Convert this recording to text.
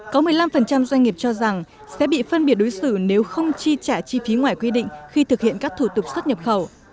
có một mươi năm doanh nghiệp cho rằng sẽ bị phân biệt đối xử nếu không chi trả chi phí ngoài quy định khi thực hiện các thủ tục xuất nhập khẩu